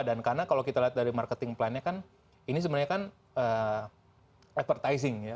dan karena kalau kita lihat dari marketing plannya kan ini sebenarnya kan advertising ya